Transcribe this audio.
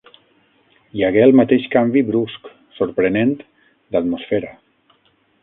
Hi hagué el mateix canvi brusc, sorprenent, d'atmosfera.